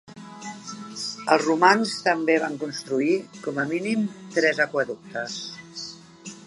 Els romans també van construir, com a mínim, tres aqüeductes.